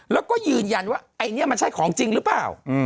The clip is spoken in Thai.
แล้วก็ยืนยันว่าไอ้นี่มันใช่ของจริงหรือเปล่า